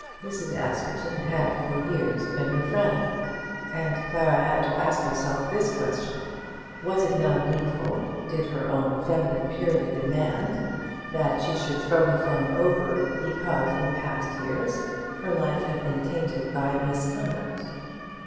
Mrs. Askerton had for years been her friend; and Clara had to ask herself this question; was it now needful, did her own feminine purity demand, that she should throw her friend over because in past years her life had been tainted by misconduct.